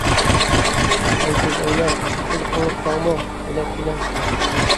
ھەي كۆزئەينەك، قۇلىقىڭىز پاڭمۇ؟ بېلەت ئېلىڭ!